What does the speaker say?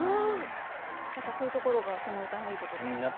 やっぱそういうところがこの歌のいいところですか？